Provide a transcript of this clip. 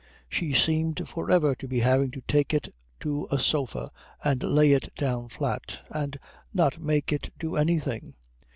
She seemed for ever to be having to take it to a sofa and lay it down flat and not make it do anything.